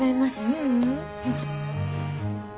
ううん。